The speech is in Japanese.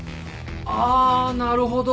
あなるほど。